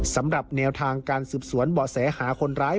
สำหรับแนวทางการสืบสวนเบาะแสหาคนร้าย